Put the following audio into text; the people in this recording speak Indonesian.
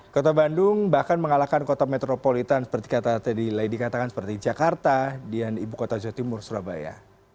kota bandung bahkan mengalahkan kota metropolitan seperti kata tadi lady katakan seperti jakarta dan ibu kota jawa timur surabaya